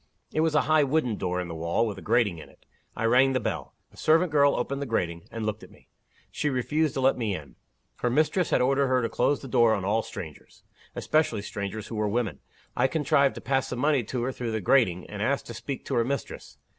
It was a high wooden door in the wall, with a grating in it. I rang the bell. A servant girl opened the grating, and looked at me. She refused to let me in. Her mistress had ordered her to close the door on all strangers especially strangers who were women. I contrived to pass some money to her through the grating, and asked to speak to her mistress.